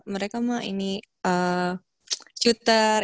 mereka mah ini shooter